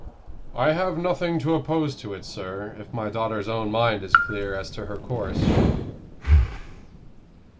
"I have nothing to oppose to it, sir, if my daughter's own mind is clear as to her course."